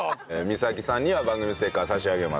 美咲さんには番組ステッカー差し上げます。